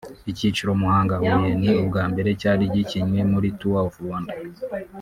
Icyiciro Muhanga – Huye ni ubwa mbere cyari gikinwe muri Tour of Rwanda